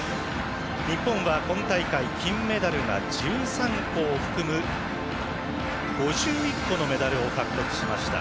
日本は今大会金メダル、１３個を含む５１個のメダルを獲得しました。